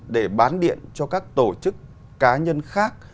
để bán điện cho các tổ chức cá nhân khác